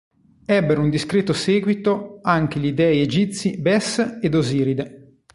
Ebbero un discreto seguito anche gli dèi egizi Bes ed Osiride.